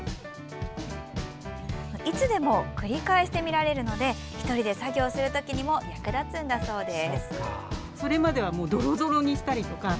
いつでも繰り返して見られるので１人で作業するときにも役立つんだそうです。